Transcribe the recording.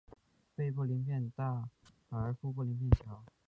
背部鳞片大而腹部鳞片小。